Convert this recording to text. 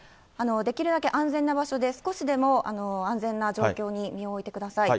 できるだけ安全な場所で、少しでも安全な状況に身を置いてください。